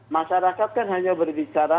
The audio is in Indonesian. masyarakat kan hanya berbicara